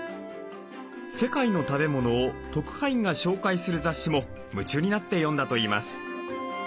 世界の食べ物を特派員が紹介する雑誌も夢中になって読んだといいます。